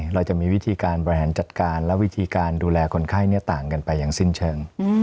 เราจะมีวิธีการบริหารจัดการและวิธีการดูแลคนไข้ต่างกันไปอย่างสิ้นเชิง